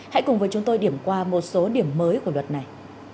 hãy cùng với chúng tôi điểm qua một số điểm mới của luật này